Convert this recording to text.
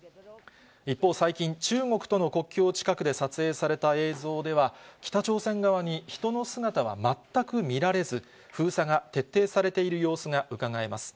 一方、最近、中国との国境近くで撮影された映像では、北朝鮮側に人の姿は全く見られず、封鎖が徹底されている様子がうかがえます。